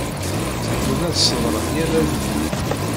Tteddun ad sedren yal anebdu.